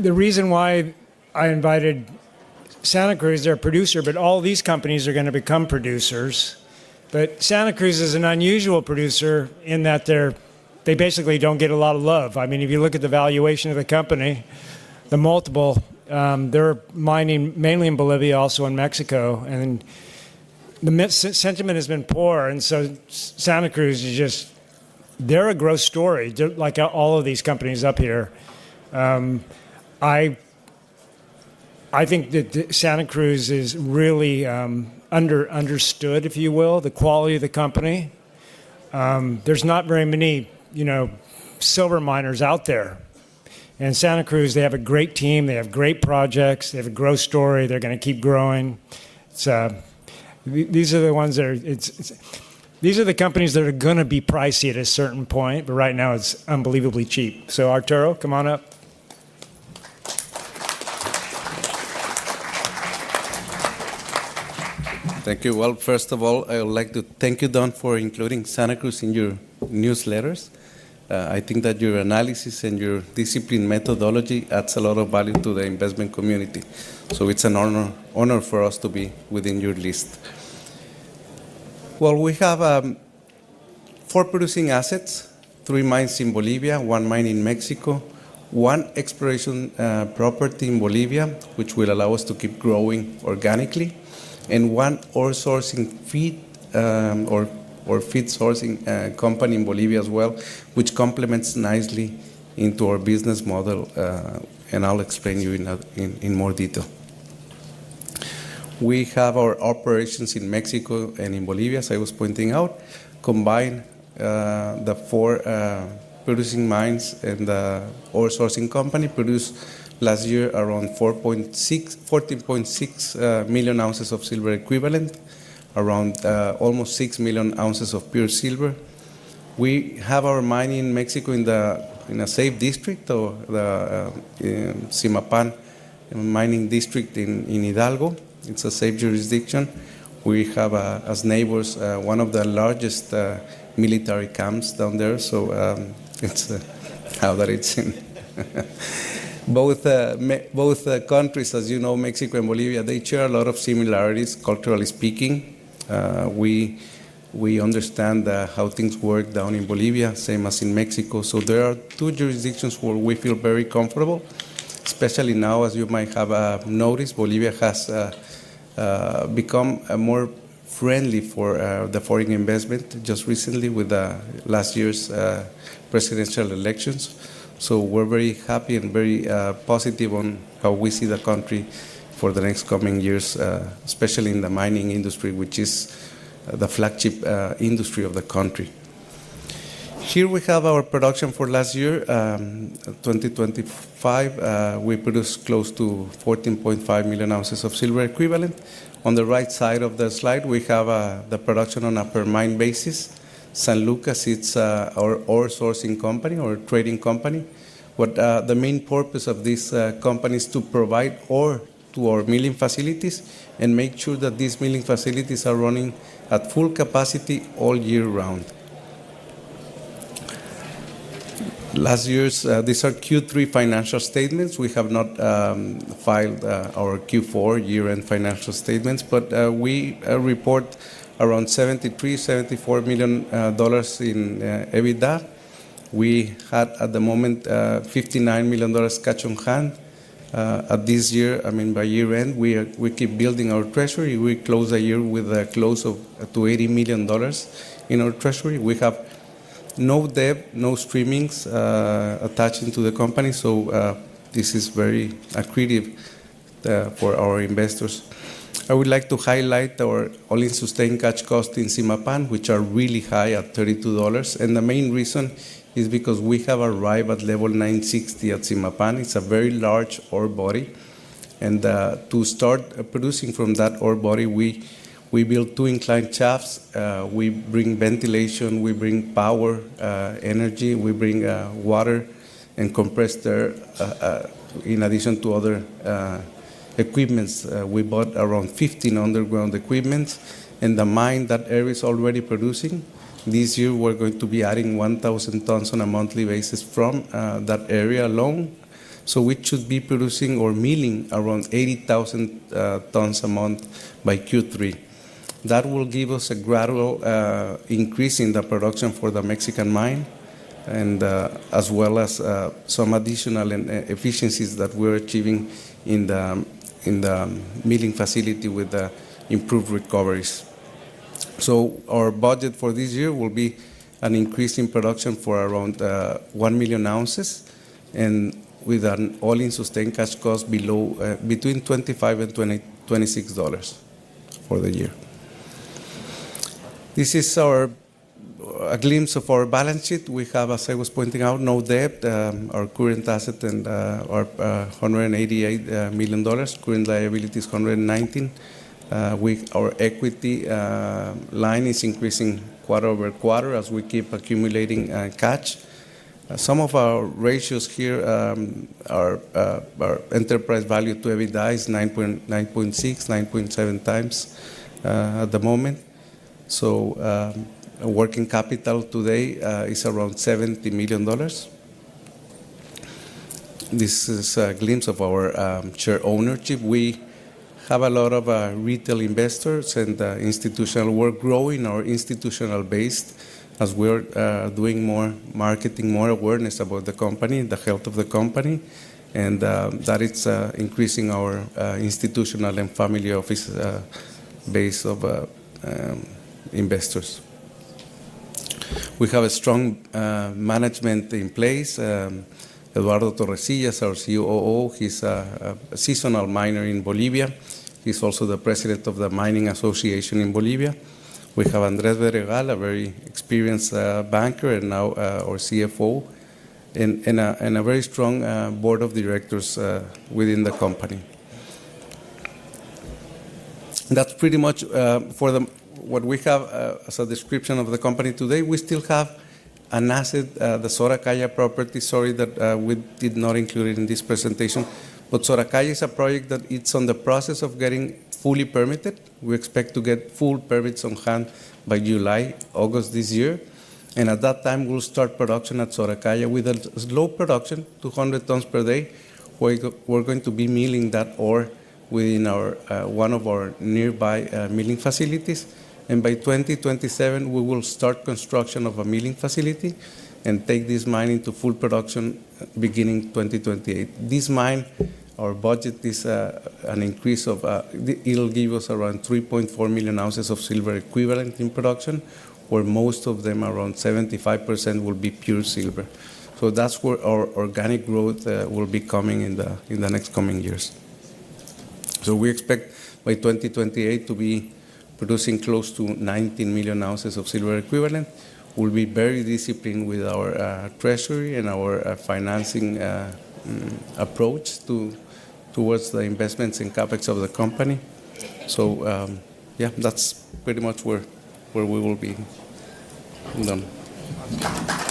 The reason why I invited Santacruz, they're a producer, but all these companies are gonna become producers. Santacruz is an unusual producer in that they basically don't get a lot of love. I mean, if you look at the valuation of the company, the multiple, they're mining mainly in Bolivia, also in Mexico, and the sentiment has been poor. Santacruz is just, they're a growth story like all of these companies up here. I think that Santacruz is really under-understood, if you will, the quality of the company. There's not very many, you know, silver miners out there. Santacruz, they have a great team. They have great projects. They have a growth story. They're gonna keep growing. These are the ones. It's. These are the companies that are gonna be pricey at a certain point, but right now it's unbelievably cheap. Arturo, come on up. Thank you. First of all, I would like to thank you, Don, for including Santacruz in your newsletters. I think that your analysis and your discipline methodology adds a lot of value to the investment community. It's an honor for us to be within your list. We have 4 producing assets, 3 mines in Bolivia, 1 mine in Mexico, 1 exploration property in Bolivia, which will allow us to keep growing organically, and 1 ore sourcing feed, or feed sourcing company in Bolivia as well, which complements nicely into our business model, and I'll explain you in more detail. We have our operations in Mexico and in Bolivia, as I was pointing out. Combined, the 4 producing mines and the ore sourcing company produced last year around 14.6 million ounces of silver equivalent, around almost 6 million ounces of pure silver. We have our mine in Mexico in the, in a Safe District or the Zimapán mining district in Hidalgo. It's a safe jurisdiction. We have, as neighbors, one of the largest military camps down there. It's how that it's in. Both countries, as you know, Mexico and Bolivia, they share a lot of similarities, culturally speaking. We understand how things work down in Bolivia, same as in Mexico. There are two jurisdictions where we feel very comfortable, especially now, as you might have noticed, Bolivia has become more friendly for the foreign investment just recently with last year's presidential elections. We're very happy and very positive on how we see the country for the next coming years, especially in the mining industry, which is the flagship industry of the country. Here we have our production for last year, 2025. We produced close to 14.5 million ounces of silver equivalent. On the right side of the slide, we have the production on a per-mine basis. San Lucas, it's our ore sourcing company or trading company. What the main purpose of this company is to provide ore to our milling facilities and make sure that these milling facilities are running at full capacity all year round. Last year's, these are Q3 financial statements. We have not filed our Q4 year-end financial statements. We report around $73 million–$74 million in EBITDA. We had at the moment $59 million cash on hand at this year. I mean, by year-end, we keep building our treasury. We close the year with a close to $80 million in our treasury. We have no debt, no streamings attaching to the company. This is very accretive for our investors. I would like to highlight our all-in sustaining costs in Zimapán, which are really high at $32, the main reason is because we have arrived at level 960 at Zimapán. It's a very large ore body. To start producing from that ore body, we built two inclined shafts. We bring ventilation, we bring power, energy, we bring water and compressor in addition to other equipments. We bought around 15 underground equipments, the mine, that area is already producing. This year, we're going to be adding 1,000 tons on a monthly basis from that area alone. We should be producing or milling around 80,000 tons a month by Q3. That will give us a gradual increase in the production for the Mexican mine and as well as some additional inefficiencies that we're achieving in the milling facility with the improved recoveries. Our budget for this year will be an increase in production for around 1 million ounces and with an All-in sustaining cash cost below between $25 and $26 for the year. This is a glimpse of our balance sheet. We have, as I was pointing out, no debt. Our current asset and are $188 million. Current liability is $119 million. Our equity line is increasing quarter-over-quarter as we keep accumulating cash. Some of our ratios here, our enterprise value to EBITDA is 9.6-9.7 times at the moment. Our working capital today is around $70 million. This is a glimpse of our share ownership. We have a lot of retail investors and institutional. We're growing our institutional base as we're doing more marketing, more awareness about the company and the health of the company, and that it's increasing our institutional and family office base of investors. We have a strong management in place. Eduardo Torrecillas is our COO. He's a seasonal miner in Bolivia. He's also the president of the Mining Association in Bolivia. We have Andres Videla, a very experienced banker and now our CFO and a very strong board of directors within the company. That's pretty much what we have as a description of the company today. We still have an asset, the Soracaya property, sorry, that we did not include it in this presentation. Soracaya is a project that it's on the process of getting fully permitted. We expect to get full permits on hand by July, August this year, and at that time, we'll start production at Soracaya with a slow production, 200 tons per day. We're going to be milling that ore within our one of our nearby milling facilities. By 2027, we will start construction of a milling facility and take this mine into full production beginning 2028. This mine, our budget is an increase of. It'll give us around 3.4 million ounces of silver equivalent in production, where most of them, around 75%, will be pure silver. That's where our organic growth will be coming in the next coming years. We expect by 2028 to be producing close to 19 million ounces of silver equivalent. We'll be very disciplined with our treasury and our financing approach towards the investments and CapEx of the company. Yeah, that's pretty much where we will be. I'm done.